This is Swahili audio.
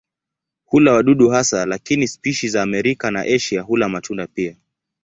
Hula wadudu hasa lakini spishi za Amerika na Asia hula matunda pia.